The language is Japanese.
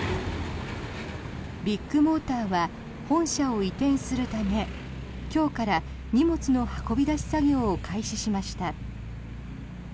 ビッグモーターは本社を移転するため今日から荷物の運び出し作業を開始しました。